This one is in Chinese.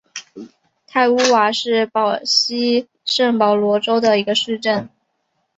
泰乌瓦是巴西圣保罗州的一个市镇。